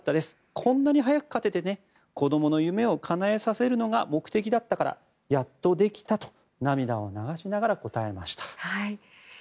こんなに早く勝ててね子どもの夢をかなえさせるのが目的だったからやっとできたと涙を流しながら答えました。